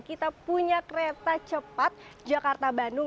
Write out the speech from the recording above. kita punya kereta cepat jakarta bandung